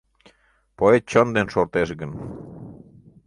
Поэт чон ден шортеш гын